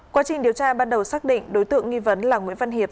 quá trình điều tra ban đầu xác định đối tượng nghi vấn là nguyễn văn hiệp